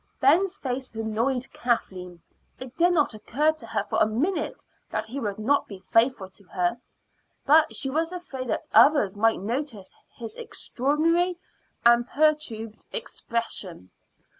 Ben's face annoyed Kathleen. It did not occur to her for a minute that he would not be faithful to her, but she was afraid that others might notice his extraordinary and perturbed expression.